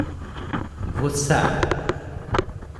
ଘୋଷା ।